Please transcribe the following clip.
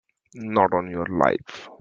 Not on your life!